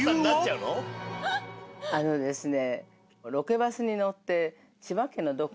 あのですね